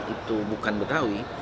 itu bukan betawi